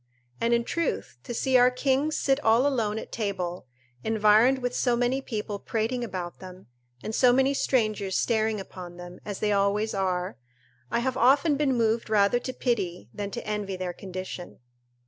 And in truth, to see our kings sit all alone at table, environed with so many people prating about them, and so many strangers staring upon them, as they always are, I have often been moved rather to pity than to envy their condition.